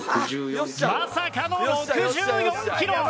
まさかの６４キロ。